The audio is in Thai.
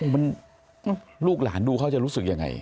มันลูกหลานดูเขาจะรู้สึกยังไง